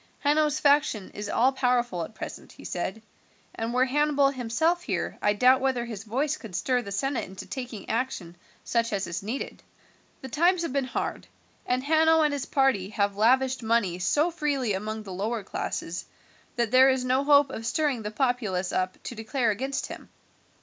"Hanno's faction is all powerful at present," he said, "and were Hannibal himself here I doubt whether his voice could stir the senate into taking action such as is needed. The times have been hard, and Hanno and his party have lavished money so freely among the lower classes that there is no hope of stirring the populace up to declare against him.